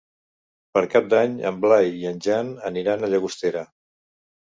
Per Cap d'Any en Blai i en Jan aniran a Llagostera.